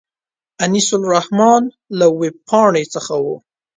انیس الرحمن له وېبپاڼې څخه و.